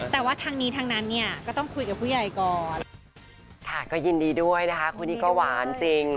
แต่ว่าทั้งนี้ทั้งนั้นก็ต้องคุยกับผู้ใหญ่ก่อน